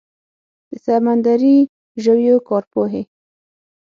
د سمندري ژویو کارپوهې